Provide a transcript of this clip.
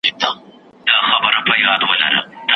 زده کونکي به د معیاري تعلیم په لور ولاړ سي.